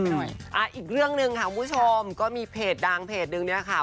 แล้วอีกเรื่องหนึ่งค่ะผู้ชมก็มีเพจดังเพจนึงเนี่ยค่ะ